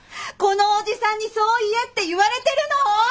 このおじさんにそう言えって言われてるの！？